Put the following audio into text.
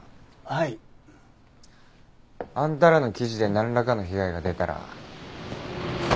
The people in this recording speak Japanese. はい。あんたらの記事でなんらかの被害が出たら。